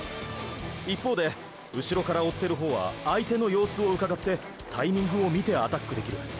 一方で後ろから追ってる方は相手の様子をうかがってタイミングを見てアタックできる。